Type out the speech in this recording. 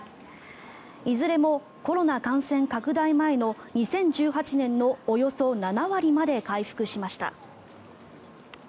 いずれもコロナ感染拡大前の２０１８年のおよそ７割まで回復しました。